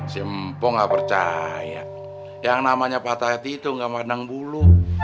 si empu gak percaya yang namanya patah hati itu gak mandang bulu